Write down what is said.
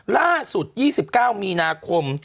ล่าสุด๒๙มีนาคม